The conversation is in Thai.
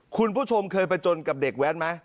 คุณผู้ชมเคยประจนกับเด็กแว้นไหม